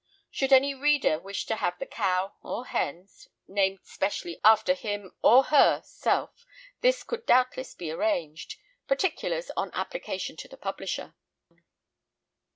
Should any reader wish to have the cow (or hen) named specially after him—or her—self this could doubtless be arranged. Particulars on application to the publisher.